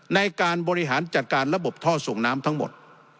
ในการบริหารจัดการระบบท่อส่งน้ำทั้งหมด